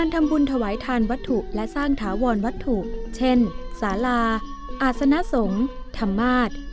ทำบุญถวายทานวัตถุและสร้างถาวรวัตถุเช่นสาราอาศนสงฆ์ธรรมาศ